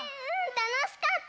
たのしかった。